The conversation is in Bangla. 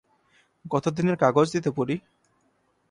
গত দিনের কাগজ দিতে পুরি?